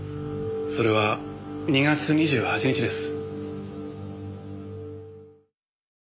それは２月２８日です。